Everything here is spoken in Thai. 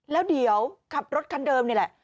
แล้วเดี๋ยวขับรถคันเดิมนี่แหละ